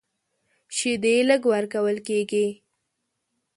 شیدې لږ ورکول کېږي.